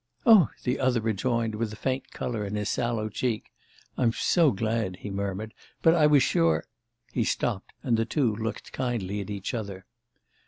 "Oh," the other rejoined, with a faint colour in his sallow cheek. "I'm so glad," he murmured: "but I was sure " He stopped, and the two looked kindly at each other.